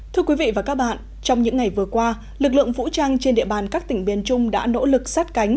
thưa quý vị và các bạn trong những ngày vừa qua lực lượng vũ trang trên địa bàn các tỉnh biên trung đã nỗ lực sát cánh